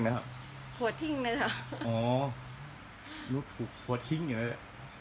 ไซ่ลากาหมูมักนุ่ง